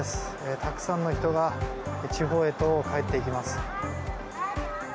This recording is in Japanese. たくさんの人が地方へと帰っていきます。